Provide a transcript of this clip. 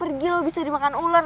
emang sesalah gue